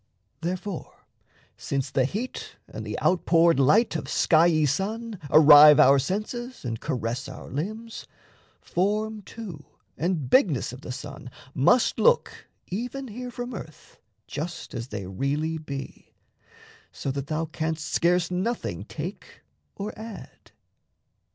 Therefore, since the heat And the outpoured light of skiey sun Arrive our senses and caress our limbs, Form too and bigness of the sun must look Even here from earth just as they really be, So that thou canst scarce nothing take or add.